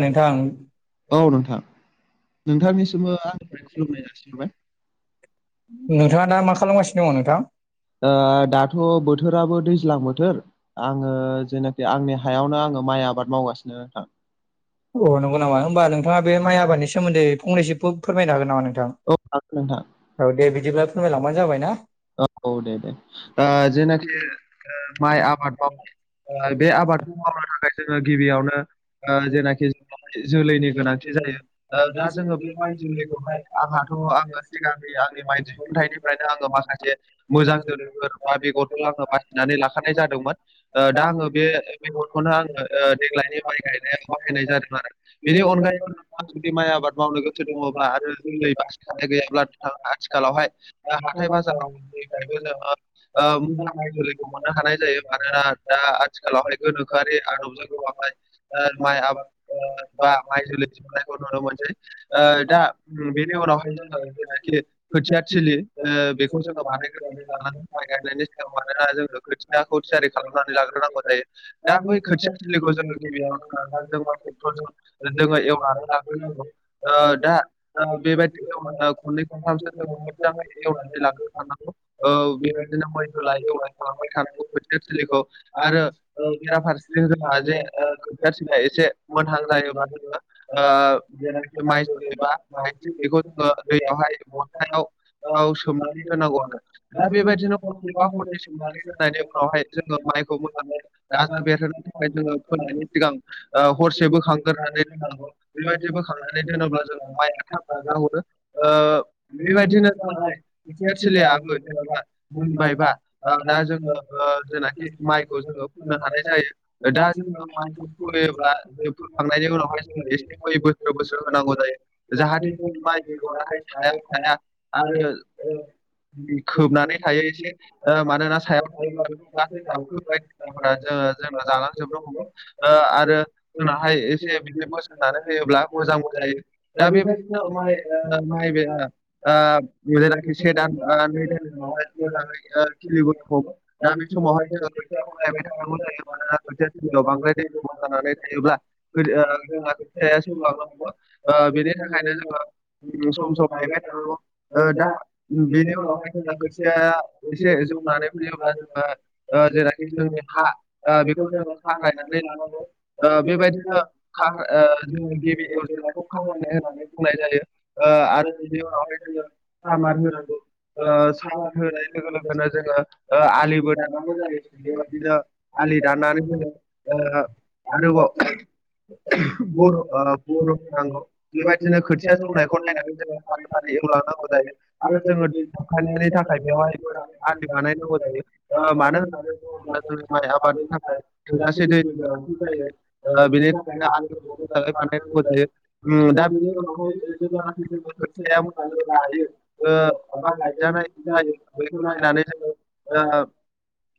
नोंथां औ नोंथां नोंथांनिसिमबो आंनिफ्राय खुलुमनाय जासिहबाय नोंथाङा दा मा खालामगासिनो दङ नोंथां ओ दाथ बोथोराबो दैज्लां बोथोर आङो जेनाखि आंनि हायावनो आङो माइ आबाद मावगासिनो नोंथां अ नंगौ नामा होनोमबा नोंथाङा बे माइ आबादनि सोमोन्दै फंनैसो फो फोरमायनो हागोन नामा नोंथां औ हागोन नोंथां औ दे बिदिब्ला फोरमायलांबानो जाबायना औ दे दे जेनाखि माइ आबाद मावनो बे आबादखौ मावनो थाखाय जोङो गिबियावनो ओ जेनाखि जोलैनि गोनांथि जायो दा जोङो बे जोलैखौ आंहाथ आङो सिगांनि आंनि माइ दिखुथायनिफ्रायनो आङो माखासे जे मोजां जोलैफोर बा बेगरखौ आङो बासिनानै लाखानाय जादोंमोन दा आङो बे बेखौनो आङो ओ देग्लायनि माइ गायनायाव बाहायनाय जादों आरो बेनि अनगायैबो जुदि माइ आबाद मावनो गोसो दङब्ला आरो दै बासि गैयाब्ला आथिखालावहाय हाथाय बाजाराव ओ जोलैखौ मोननो हानाय जायो मानोना [unintelligible] दा आथिखालावहाय गोनोखोआरि आदबजों [unintelligible] दा माइ आबाद बा माइ जोलै जोबनायखौ नुनो मोनसै ओ दा बेनि उनावहाय जाखिनि खोथिया थोलि ओ बेखौ जों [unintelligible] खोथियाखौ थियारि खालामनानै लाग्रोनांगौ जायो दा बै खोथिया थिलिखौ जों [unintelligible] [unintelligible] जोंङो एवनानै लाग्रोनांगौ ओ दा ओ बेबायदि दा खनथाम खननै खथामसो [unintelligible] खनथामसो [unintelligible] मोजाङै एवनानै लाग्रो खानांगौ ओ बेबायदिनो हाल एवला एवलाय खालामबाय थानांगौ खोथिया थिलिखौ आरो ओ बेरा फारसेथिं जोंहा जे ओ खोथिया थिलिया एसे मोनहां जायोब्ला जोङो ओ जेनाखि ओ माइ माइखौ जोलै बा एबा माइज्लि जोङो दैयावहाय [unintelligible] [unintelligible] औ सोमनानै दोनो दोननांगौ आरो दा बेबायदिनो हरनै एबा [unintelligible] जोङो माइखौ बोखांनानैहाय गाजा बेरहोनो थाखाय जोङो फोनायनि सिगां ओ हर से बोखांग्रोनानै [unintelligible] ओ बेबायदि [unintelligible] [unintelligible] बायबा दा जोङो ओ जेनाखि माइखौ जोङो फोनो हानाय जायो दा जोङो माइ फैयोब्ला [unintelligible] आरो फोखांनायनिहाय जोङो एसे बै बोखोबोसो गोसो होनांगौ जायो। जाहाथे जों माइ बेगराहाय सायाव थाया आरो [unintelligible] खोबनानै थायो एसे ओ ओ मानोना सायाव [unintelligible] [unintelligible] जोङो जेब्ला जालांजोहमो ओ आरो जोंनाहाय एसे बि मोसौ जानो होयोब्ला मोजांबो जायो दा बे बेबायदिनो माइ [unintelligible] ओ दा नैबे माइया ओ ओ जेनाखि मैदेराखि से दान सैबान बा बे नै दान दानजोंहाय मोजाङै ओ [unintelligible] खिलिबोनो हमो दा बे समावहाय जोङो [unintelligible] खोथियाखौ नायबाय थानांगौ जायो मानोना खोथिया थिलियाव बांद्राय दै जमा जानानै थायोब्ला थायोब्ला गोदो ओ [unintelligible] ओ बेनि थाखायनो जोङो [unintelligible] सम सम गायबाय थानांगौ ओ दा बेनि उनाव जेब्ला खोथियाया एसे जौनानै फैयोब्ला जोङो [unintelligible] ओ जेराखि जोंनि हा ओ [unintelligible] ओ बेबायदिनो खा ओ जोंनि [unintelligible] बुंनाय जायो ओ आरो बेनि उनावहाय [unintelligible] सामार हो ओ सामार होनाय लोगो लोगोनो जोङो ओ आलिबो [unintelligible] आलि दाननानै जोङो ओ आरोबाव बर' ओ बर' [unintelligible] बेबायदिनो खोथिया जनायखौ नायनानै जोङो फारि फारि एवलांनांगौ जायो। आरो जोङो [unintelligible] होबथानायनि [unintelligible] थाखाय बेवहाय जायो आलि बानायनांगौ ओ जायो ओ मानो बिनि होनोब्ला थाखायनो जोंनि माइ आबादनि आलि थाखाय थोजासे दै गोजौ गोजौ ओ बेनि बाहायनांगौ थाखायनो आलि जायो मोजाङै बानायनांगौ जायो [unintelligible] उम दा [unintelligible] खोथियाया बोरमानो होनो खोथिया हायो ओ माबा गायनानै ओ जायो बेखौ नायनानै नानै जोङो ओ जोङो [unintelligible]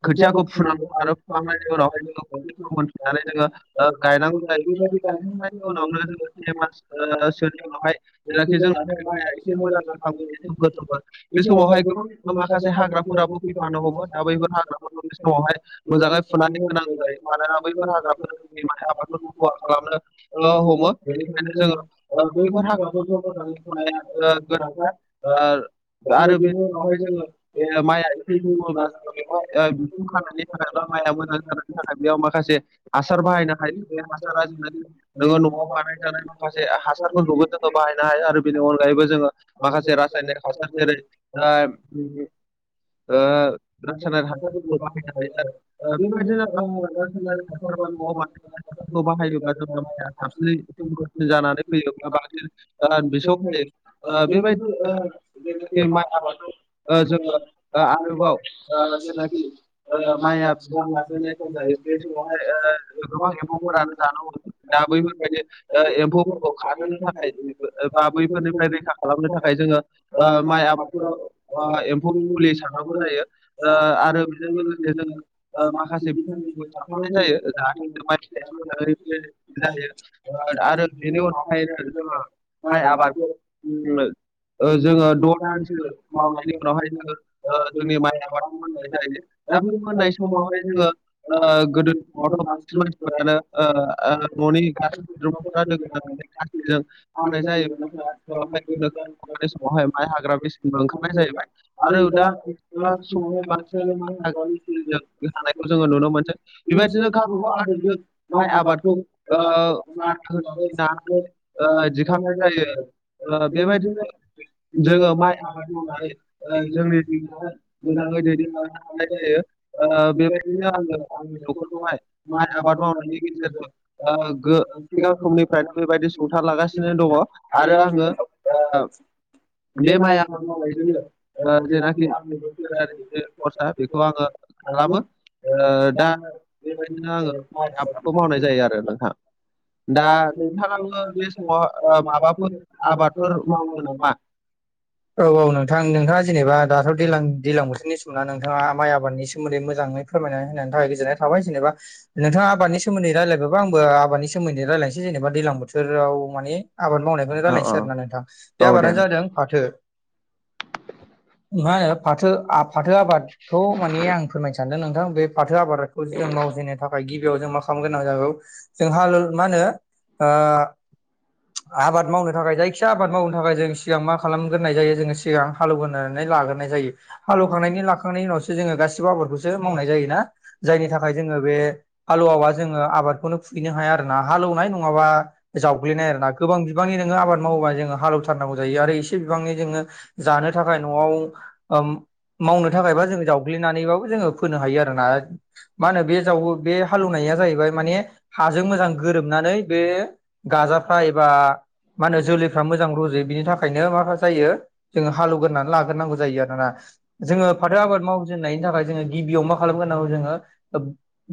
खोथियाखौ फुनांगौ आरो फुखांनायनि उनाव बेखौ [unintelligible] [unintelligible] मोनफिननानै जोङो ओ खारनांगौ गायनांगौ जायो बिबायदि [unintelligible] गायखांनायनि उनावनो जोङो से मास ओ सोनि उनावहाय जेनाखि जों [unintelligible] एसे मोजां जा बिफां सोमखोर [unintelligible] सोमखोर बे समावहाय गोबां माखासे हाग्राफोराबो फैफानो हमो दा बैफोर [unintelligible] हाग्राफोरखौ बे समावहाय मोजाङै गोजानाव फुनानै होनांगौ जायो मानोना बैफोर हाग्राफोर माइ [unintelligible] आबादफोरखौ खहा खालामनो ओ हमो बेनिखायनो बेनिखायनो जोङो ओ [unintelligible] बैफोर हाग्राफोरखौ गोदान मोजाङै फुनानै ओ गोनांथार ओ ओ आरो बे बेनि उनावहाय जोङो माइ बे बुङोब्ला जों बेवहाय [unintelligible] [unintelligible] दा बेयाव माखासे हासार बाहायनो हायो [unintelligible] न'आव न'खौ बानायजानाय बानायनानै माखासे हासारफोरखौबो जोङो हासारफोरखौ बाहायनो हायो आरो बेनि अनगायैबो माखासे जोङो माखा रासायनिक रासायनारिनिक हासार जेरै ओ जेरै [unintelligible] ओ रासायनारि रासायनारिक हासारफोरखौ बाहायनो हायो आरो ओ बेबायदिनो हासारफोरखौ [unintelligible] हासारफोरखौ [unintelligible] बानायफोरखौ बाहायोब्ला जोंना माइया [unintelligible] साबसिन जानानै फैयो ओ बा बांसिन ओ बिसौ बेथ फैयो ओ बेबायदि नै माइ आबादखौ ओ ओ जोङो ओ आरोबाव बेबायदिनो जायनाखि [unintelligible] माइआ [unintelligible] [unintelligible] गोबां गोबां एम्फौफोरानो एम्फौफोरानो जानो दा बैफोरबायदि ओ एम्फौफोरखौ खारहोनो थाखाय बा बैफोरनिफ्राय रैखा खालामनो थाखाय जोङो [unintelligible] ओ माइ आबादफोराव बा एम्फौ एम्फौनि मुलि फुलि सारनांगौ जायो ओ आरो बेजों जायो लोगोसे जों [unintelligible] माखासे [unintelligible] [unintelligible] बिनि बिफां गायनाय जायो जाहाथे जों माइ फिथाइ आरो बेनि उनावहाय जो जोङो माइ आबादखौ जोङो ओ जोङो द दानसो मावनायनि उनावहाय [unintelligible] ओ जोंनि माइ आबाद मावनाय जायो दा बि मोननाय समाव समावहाय जोङो आ ओ गोदोनि समावथ' बांसिन मानसिफोरानो ओ ओ न'नि गासै सुबुंफोरा लोगो नांनानै गोदोनि खासिजों [unintelligible] हानाय [unintelligible] बे समावहाय माइ हाग्रा बेसनखौ ओंखारनाय जाहैबाय आरो दा [unintelligible] बे लानायखौ जोङो नुनो [unintelligible] मोनसै। बेबायदिनो गावबा गाव माइ आबादखौ ओ मारा होना ओ दुंखावनाय जायो आरो ओ बेबायदिनो जोङो माइ आबाद मावनानै ओ जों जोंनि जिउखौ हाय मोजाङै दैदेन लांनो हानाय जायो। ओ आङो आंनि [unintelligible] फोरखौ जोङो माइ आबाद मावनायनि गेजेरजों ओ [unintelligible] गो [unintelligible] सिगां समनिफ्रायनो बेबायदि सुंथालागासिनो दङ आरो आङो ओ बे आबाद ओ मावनायजोंनो जेनाखि आबादारि खरसा बेखौ ओ आङो [unintelligible] [unintelligible] ओ खालामो ओ दा जानांबाय बेबायदिनो बिदिनो आङो आरो माइ आबाद आबादखौ मावनाय जायो आरो नोंथां [unintelligible] दा नोंथाङाबो बे समाव माबाफोर आबादफोर मावो नामा? [inaudible] औ औ नोंथां नोंथाङा जेनेबा दाथ' दैलां दैलां बोथोरनि समाव नोंथाङा माइ आबादनि सोमोन्दै मोजाङै फोरमायना होननाय थाखाय गोजोननाय थाबाय जेनेबा नोंथा आबादनि सो सोमोन्दै रायलायबायबा आंबो आबाद सोमोन्दै रायलायसै जेन'बा दैलां बोथोराव माने आबाद मावनायखौनो औ रायजलायनोसै आरो ना नोंथां औ बे दे आबादानो नोंथां जादों फाथो। मा होनो फाथो फाथो आबादखौ माने आं फोरमायनो सानदों नोंथां बे फाथो आबाद जों मावजेननो थाखाय गिबियाव जों मा खालामनो गोनां जागौ जोंहा मा होनो आ आबाद मावनो थाखाय जाय खिया आबाद मावनो थाखाय जों सिगां मा खालामग्रोनाय जायो जोङो सिगां हालेवगोननानै लाग्रोनाय जायो। हालौवखांनायनि लाखांनायनि उनावसो जोङो गासिबो आबादखौसो मावनाय जायो ना। जायनि थाखाय जोङो बे हालौवावा जोङो आबादखौनो खुबहैनो हाया आरोना हालौवनाय नङाबा जावग्लिनाय आरो ना गोबां बिबांनि नोङो आबाद मावोबा जोङो हालेवथारनांगौ जायो आरो एसे बिबांनि जोङो जानो थाखाय न'आव ओम मावनो थाखायबा जोङो जावग्लिनानैबाबो जोङो फोनो हायो आरोना। मा होनो बे जावो बे हालौवनाया जाहैबाय माने हाजों मोजां गोरोबनानै बे गाजाफ्रा एबा मा होनो जोलैफ्रा मोजां रुजायोयो बिनि थाखायनो मा जायो? जोङो हालेवगोरनानै लाग्रोनांगौ जायो आरो ना। जोङो फाथो आबाद मावजेननायनि थाखाय जोङो गिबियाव मा खालामग्रनांगौ जोङो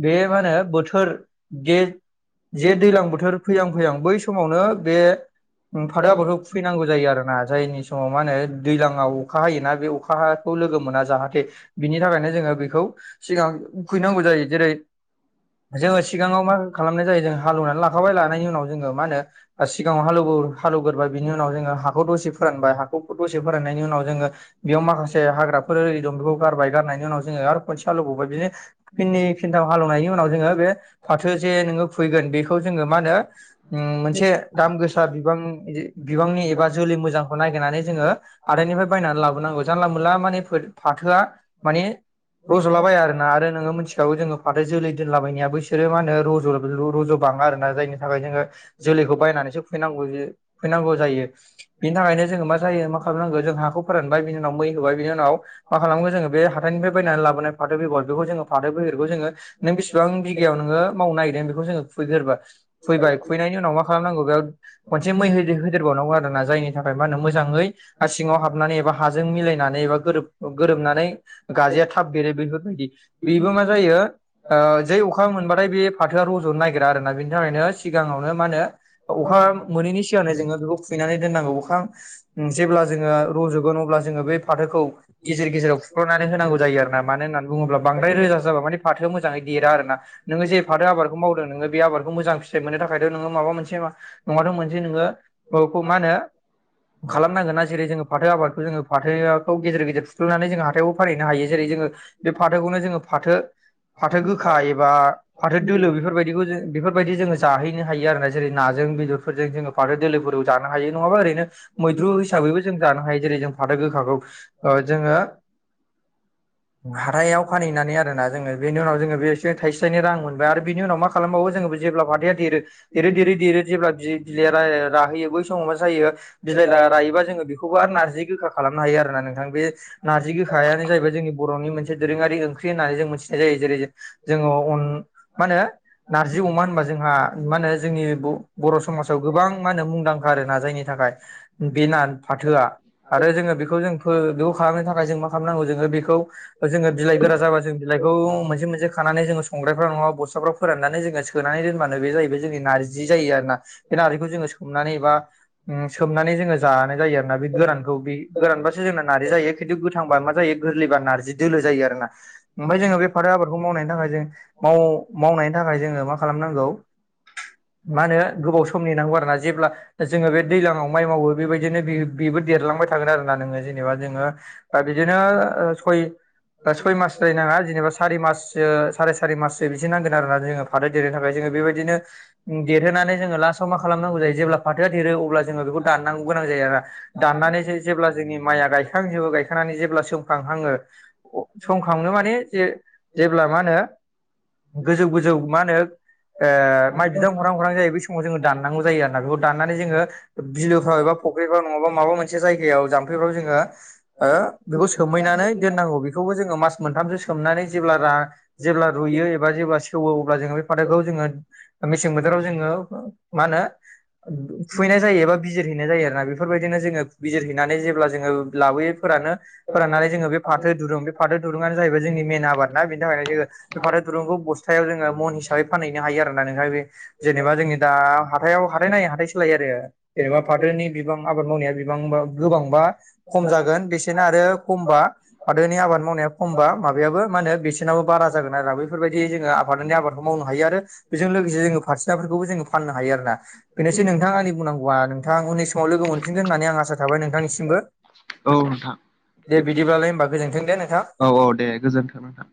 बे मा होनो बोथोर गे जे दैज्लां बोथोर फैहां फैहां बै समावनो बे फाथो आबादखौ खु फैनांगौ जायो आरो ना जायनि समाव मा होनो दैज्लाांाव अखा हायोना बे अखाखौ लोगो मोना जाहाथे। बिनि थाखायनो जोङो बेखौ सिगां खुयैनांगौ जायो जेरै जोङो सिगाङाव मा खालामनाय जायो? जों हालौवनानै लाखाबाय लानायनि उनाव जो मा होनो सिगाङाव हालौव हालौगोरोबबाय बिनि उनाव जोङो हा हाखौ दसे फोरानबाय हाखौ दसे फोराननायनि उनाव जोङो बेयाव माखासे हाग्रा दं बेखौ गारबाय गारनायनि उनाव जोङो आरो फैसा लुबावबाय बिदिनो ओ ओ फिनै फिनथाव हालेनायनि उनाव जोङो बे फाथो जे नोङो खुबैगोन बेखौ जोङो मा होनो। मोनसे दाम गोसा बिबां बिबांनि एबा जोलै मोजांखौ ननायागिरनानै जोङो। हादाइनिफ्राय बायनानै लाबोनांगौ जानला मोनला माने फाथोआ माने ओ रज'ला बाया आरोना आरो नोङो मिथिखागौ जोङो। फाथो जोलै दोनलाबायनाया ब बिसोरो मा होनो रज' रज' बाङा आरोना जायनि थाखाय जोङो। जोलैखौ बायनानैसो फैनांगौ फैनांगौ जायो। बिनि थाखायनो जोङो मा जायो खालामनांगौ जों हाखौ फोरानबाय बि उनाव मै होबाय बिनि उनाव मा खालामो जोङो बे हाथाइनिफ्राय बायनानै लाबोनाय फाथो बेगर बेखौ जोङो। फाथो बेगरखौ जोङो नों बिसिबां बिगायाव नोङो मावनो नागिरदों बेखौ जोङो खुबैगोरबायो। खुयबाय खुयनायनि उनाव मा खालामनांगौ बेयाव खनसे मैहो होदेरबावनांगौ आरो ना जायनिआ थाखाय मा होनो मोजाङै सिङाव हाबनानै एबा हाजों मिलायनानै एबा गोरोबो। गोरोबनानै गाजाया थाबो बेरो बेफोरबायदि बेबो मा जायो ओ जै अखा मोनबाथाय बे फाथोआ रज'नो नागिरा आरोना बिनि थाखायनो सिगाङावनो मा होनो। अखा मोनैनि सिगांनो जोङो बेखौ खुबैनानै दोननांगौ अखा। जेब्ला जोङो रज'गोन अब्ला जोङो बै फाथोखौ। गेजेर गेजेराव फुख्ल'नानै होनांगौ जायो आरोना मानो होननानै बुङोब्ला। बांद्राय रोजा जाबा माने‌ फाथोआ मोजाङै देरा आरोना नोङो जे बादि फाथो आबादखौ मावदों नोङो बे आबादखौ मोजां फिथाइ मोननो थाखायथ' नोङो माबा मोनसे नङाथ' मोनसे नोङो बेखौ मा होनो? खालामनांगोन ना जेरै जोङो फाथो आबादखौ जोङो फाथोखौ गेजेर गेजेर फुख्ल'नानै जों हाथायाव। फरायनो हायो जेरै जोङो बेयो फाथोखौनो जोङो फाथो फाथो गोखा एबा फाथो दोलो बेफोरबादिखौ जो बेफोरो बेफोरबायदि जोङो जाहैनो हायो आरोना जेरै नाजों बेदरफोरजों जोङो फाथो दोलोफोरखौ जानो हायो नङाबा ओरैनो ओ मैद्रु हिसाबैबो जों जानो हायो जेरै जों फाथो गोखाखौ ओ जोङो ओ हा ह्राइायाव फानहैनानै आरोना जोङो बेनि उनाव जोङो बे एसे थाइसे थाइनैां मोनबाय आरो बिनि उनाव मा खा खालामबावो जोङो जेब्ला फाथोआ देरो ओ देरै देरै देरै जेब्ला बि बिलाइया राहैयो बै समाव मा जायो। बिलाइ रायोबा जोङो बेखौबो आरो नारजि गोखाखौ खालामनो हायो आरोना नोंथां बे नारजि गोखायानो जाहैबाय जोंनि बर'नि मोनसे दोरोङारि ओंख्रि होननानै जों मोनो थिनाय जायो जेरै जोङो अन मा होनो नारजि अमा होनबा जोंहा मा होनो जोंनि बर' समाजाव गोबां मा होनो मुंदांखा आरो ना जायनि थाखायो बे नार फाथोआ आरो जोङो बेखौ जों बेखौ खालामनो थाखाय जों मा खालामनांगौ जोङो बेखौओ जोङो बिलाइ गोरा जाबा जों बिलाइ बेखौ मोनसे मोनसे खानानै जोङो संग्रायफ्राव नङा बस्थ्लाफ्राव फोराननानै जोङो सोनानै दोनबानो बे जाहैबाय जोंनि नार्जि जि जायो आरोना। बे नारजिखौ जोङो सोमनानै एबा उम सोमनानै जोङो जानाय जायो आरोना बे गोरानखौ गोरानबासो जोंना नारजि जायो खिन्थु गोथांबा मा जायो गोरलैबा नार्जि दोलो जायो आरोना। ओमफ्राय जोङो बे फाथो आबादखौ मावनायनि थाखाय जों माव मावनायनि थाखाय जोङो मा खालामनांगौ मा होनो गोबावसो सम नेनांगौ आरोना जेब्ला जोङो बे दैज्लाङाव माइ मावो बेबायदिनो बेबो देरलांबाय था थगोन आरोना नोङो जेनेबा जोङो बा बिदिनो सयो बा सय मास जाहिनाङा जेनेबा सारि माससो सारि सारि माससो बिदि नांगोन आरोना जोङो फाथो देरनो थाखाय जोङो बेबादिनो देरहोनानै जोङो लास्टआव मा खालामनांगौ जायो जेब्ला फाथोआ देरो अब्ला जोङो बेखौ दाननांगौ गोनां जायो आरो। दाननानैसो जेब्ला जोंनि माइया गायखांजोबो गायखांनानै जेब्ला सोमखां हाङो अ सोमखाङो माने जेला जेब्ला मा होनो गोजौ गोजौ मा होनो ओ माइ बिदां हरां हरां जायो बे समाव जोङो। दाननागौ आरोना बेखौ दानानै जोङो बिलोफ्राव एबा फख्रिफ्राव नङा माबा मोन से जायगायाव जामफैबाबो जोङो ओ बेखौ सोमहैनानै दोनांगौ मास मोनथामसो सोमनानै जेब्ला रा जेब्ला रुयो एबा से वो अब्ला जोङो बे फाथोखौ जोङो मेसें बोथोराव जोङो मा होनो फुहैनाय जायो एबा बिजिरहैनाय जायो आरोना बेफोरबायदिनो जोङो बिजिर हैनानै जेब्ला जोङो लाबोयो फोरानो फोराननानै जोङो बे फाथो दुरुं फाथो दुरुङानो जाहैबाय जोंनि मेन आबाद ना बेनि थाखायनो जोङो बे फाथो दुरुंखौ बस्थायाव जोङो मन हिसाबै फानहैनो हायो आरोना नोंहा बे जेनेबा जोङो दा हाथायाव हाथाय नायै हाथायसो लायो आरो जेनेबा फाथोनि बिबां आबाद मावनाया बिबां बा गोबांबा खम जागोन बेसेना आरो खमबा फाथोनि आबाद मावनाया खमबा माबायाबो मा होनो बेसेनाबो बारा जागोन आरो बेफोरबायदि जोङो फाथोनि आबादखौ मावनो हायो आरो बेजों लोगोसे जोङो फाथो सिनाफोरखौबो जोङो फाननो हायो आरोना बेनोसै नोंथां आंनि बुंनांगौआ नोंथां उननि समाव लोगो मोनफिनगोन होननानै आं आसा थाबाय नोंथांनिसिमबो औ नोंथां दे बिदिब्लालाय होमबा गोजोनथों दे नों औ औ दे गोजोन्थों नोंथां।